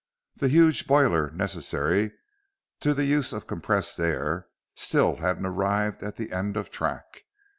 The huge boiler necessary to the use of compressed air still hadn't arrived at end of track.